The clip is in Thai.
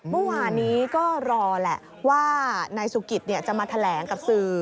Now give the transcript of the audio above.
เมื่อวานนี้ก็รอแหละว่านายสุกิตจะมาแถลงกับสื่อ